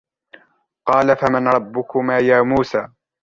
قال فمن ربكما يا موسى